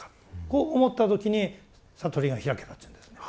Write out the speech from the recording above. こう思った時に悟りが開けたっていうんですね。